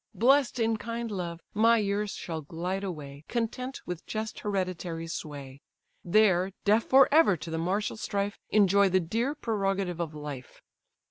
Bless'd in kind love, my years shall glide away, Content with just hereditary sway; There, deaf for ever to the martial strife, Enjoy the dear prerogative of life.